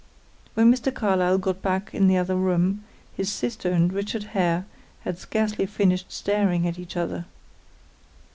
When Mr. Carlyle got back in the other room, his sister and Richard Hare had scarcely finished staring at each other.